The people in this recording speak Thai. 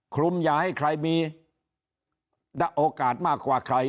คลุมอย่าให้ใครมีโอกาสมากกว่าใคร